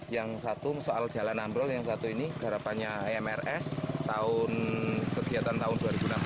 yang satu soal jalan ambrol yang satu ini garapannya imrs kegiatan tahun dua ribu enam belas